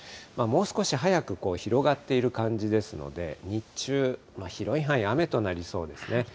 もう少し早く広がっている感じですので、日中、広い範囲、雨となりそうですね。